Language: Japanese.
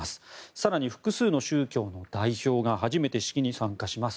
更に複数の宗教の代表が初めて式に参加します。